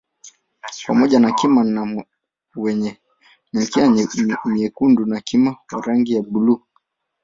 Pamoja na Kima wenye mikia myekundu na kima wa rangi ya bluu